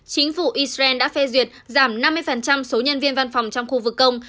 chính phủ israel đã phê duyệt giảm năm mươi số nhân viên văn phòng trong khu vực công